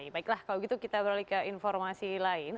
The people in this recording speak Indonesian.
baiklah kalau gitu kita beralih ke informasi lain